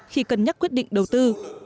khi cân nhắc quyết định đầu tư